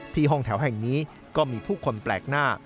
ห้องแถวแห่งนี้ก็มีผู้คนแปลกหน้า